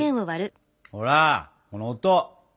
ほらこの音！